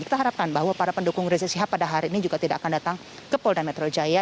kita harapkan bahwa para pendukung rizik syihab pada hari ini juga tidak akan datang ke polda metro jaya